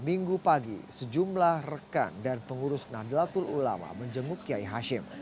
minggu pagi sejumlah rekan dan pengurus nahdlatul ulama menjenguk kiai hashim